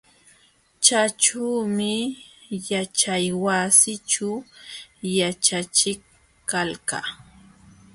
Chaćhuumi yaćhaywasićhu yaćhachiq kalqa.